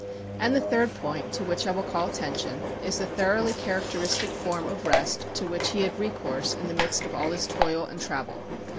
And the third point to which I will call attention is the thoroughly characteristic form of rest to which he had recourse in the midst of all his toil and travel.